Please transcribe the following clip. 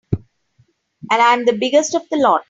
And I'm the biggest of the lot.